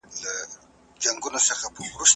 زیات کافین د سردرد سبب کېدای شي.